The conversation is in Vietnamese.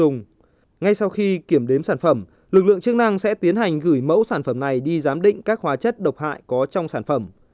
ngay sau khi kiểm đếm sản phẩm lực lượng chức năng sẽ tiến hành gửi mẫu sản phẩm này đi giám định các hóa chất độc hại có trong sản phẩm